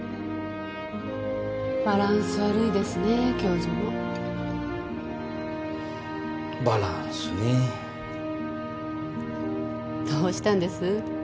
バランス悪いですね教授もバランスねえどうしたんです？